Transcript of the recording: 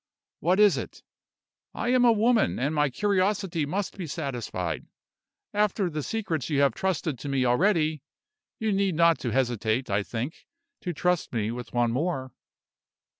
What is it? I am a woman, and my curiosity must be satisfied. After the secrets you have trusted to me already, you need not hesitate, I think, to trust me with one more."